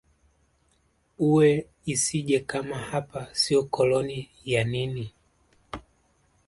ue isije kama hapa sio koloni ya nini